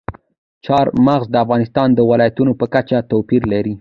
چار مغز د افغانستان د ولایاتو په کچه توپیر لري.